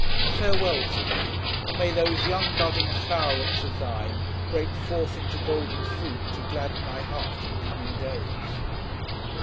Farewell to thee, and may those young budding flowerets of thine break forth into golden fruit to gladden thy heart in coming days!